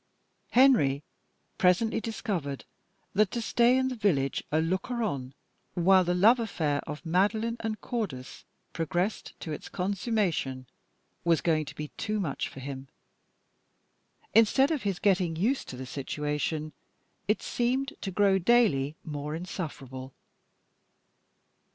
Henry presently discovered that, to stay in the village a looker on while the love affair of Madeline and Cordis progressed to its consummation, was going to be too much for him. Instead of his getting used to the situation, it seemed to grow daily more insufferable.